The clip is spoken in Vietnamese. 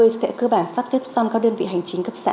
sẽ cơ bản sắp xếp xong các đơn vị hành chính cấp xã